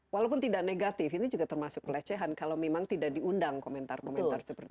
walaupun tidak negatif ini juga termasuk pelecehan kalau memang tidak diundang komentar komentar seperti itu